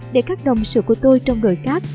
để các đồng sự của tôi trong đội các